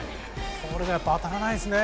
これが当たらないですね。